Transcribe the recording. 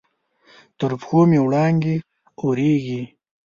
تر پښو مې وړانګې اوریږې